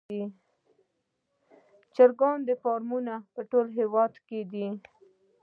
د چرګانو فارمونه په ټول هیواد کې دي